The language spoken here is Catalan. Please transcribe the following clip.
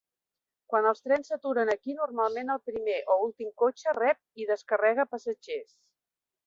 Quan els trens s'aturen aquí, normalment el primer o últim cotxe rep i descarrega passatgers.